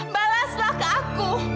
balaslah ke aku